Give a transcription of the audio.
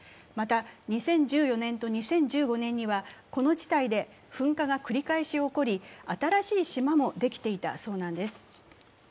また２０１４年と２０１５年にはこの事態で噴火が繰り返し起こり、新しい島もできていたそうなんです。